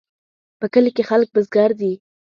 په کلي کې خلک بزګر دي